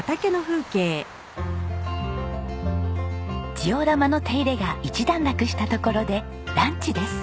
ジオラマの手入れが一段落したところでランチです。